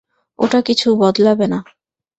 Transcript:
ওটা কিছু বদলাবে না।